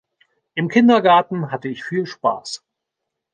Im Kindergarten hatte ich viel Spaß.